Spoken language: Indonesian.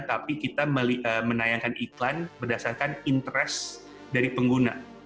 tapi kita menayangkan iklan berdasarkan interest dari pengguna